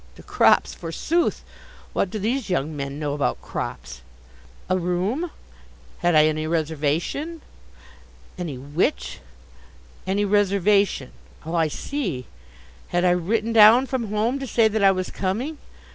The crops, forsooth! What do these young men know about crops? A room? Had I any reservation? Any which? Any reservation. Oh, I see, had I written down from home to say that I was coming?